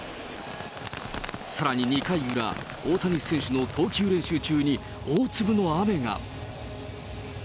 さらに２回裏、大谷選手の投球練習中に大粒の雨が。